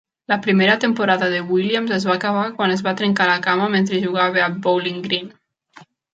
La primera temporada de Williams es va acabar quan es va trencar la cama mentre jugava a Bowling Green.